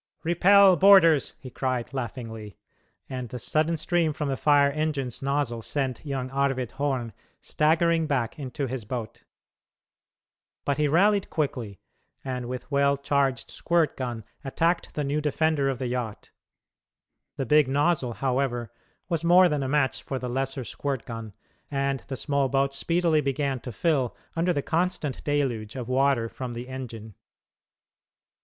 "Repel boarders!" he cried, laughingly, and the sudden stream from the fire engine's nozzle sent young Arvid Horn staggering back into his boat. But he rallied quickly, and with well charged squirt gun attacked the new defender of the yacht. The big nozzle, however, was more than a match for the lesser squirt gun, and the small boat speedily began to fill under the constant deluge of water from the engine.